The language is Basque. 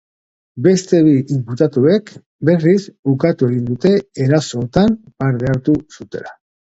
Beste bi inputatuek, berriz, ukatu egin dute erasootan parte hartu zutela.